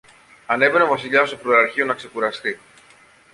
ανέβαινε ο Βασιλιάς στο φρουραρχείο να ξεκουραστεί